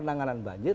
masa yang berakhir